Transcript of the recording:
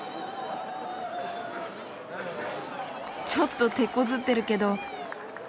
ちょっとてこずってるけど。